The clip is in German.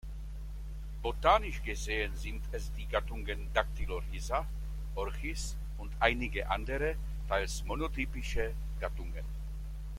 Botanisch gesehen sind es die Gattungen "Dactylorhiza", "Orchis" und einige andere, teils monotypische Gattungen.